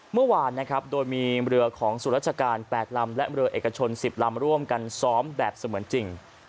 เมื่อวานนะครับโดยมีเรือของสุราชการ๘ลำและเรือเอกชน๑๐ลำร่วมกันซ้อมแบบเสมือนจริง